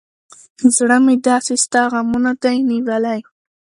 زړه مې داسې ستا غمونه دى نيولى.